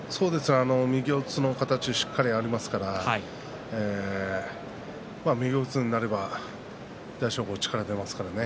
右四つの形しっかりありますから右四つになれば大翔鵬は力が出ますからね。